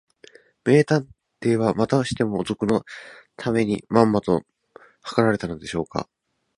名探偵は、またしても賊のためにまんまとはかられたのでしょうか。このどたん場まで追いつめながら、ついに二十面相をとりにがしてしまったのでしょうか。